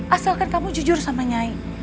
asalkan kamu jujur sama nyai